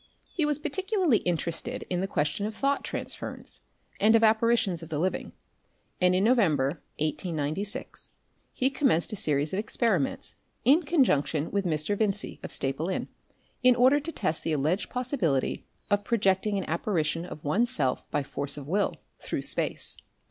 He was particularly interested in the questions of thought transference and of apparitions of the living, and in November, 1896, he commenced a series of experiments in conjunction with Mr. Vincey, of Staple Inn, in order to test the alleged possibility of projecting an apparition of one's self by force of will through space.